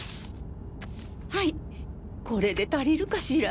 はいこれで足りるかしら？